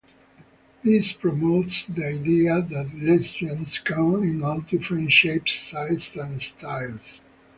This promotes the idea that lesbians come in all different shapes, sizes, and styles.